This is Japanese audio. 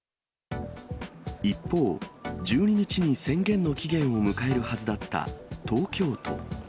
一方、１２日に宣言の期限を迎えるはずだった東京都。